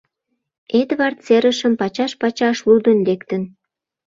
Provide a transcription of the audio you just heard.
Эдвард серышым пачаш-пачаш лудын лектын.